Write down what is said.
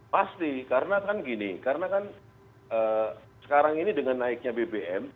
pasti karena kan gini karena kan sekarang ini dengan naiknya bbm